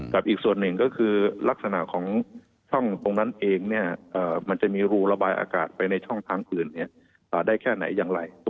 อีกส่วนหนึ่งก็คือลักษณะของช่องตรงนั้นเองมันจะมีรูระบายอากาศไปในช่องทางอื่นได้แค่ไหนอย่างไร